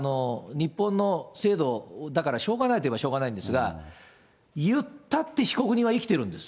日本の制度だからしょうがないと言えばしょうがないんですが、言ったって被告人は生きてるんです。